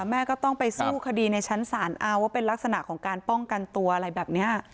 แม่ก็ต้องไปสู้คดีในชั้นศาลเอาว่าเป็นลักษณะของการป้องกันตัวอะไรแบบนี้